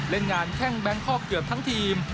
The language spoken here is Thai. เล่นงานแข้งแบงคอกเกือบทั้งทีม